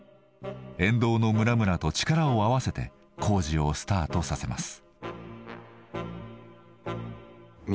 沿道の村々と力を合わせて工事をスタートさせます。